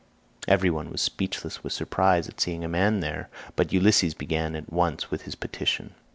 Every one was speechless with surprise at seeing a man there, but Ulysses began at once with his petition.